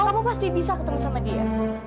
kamu pasti bisa ketemu sama dia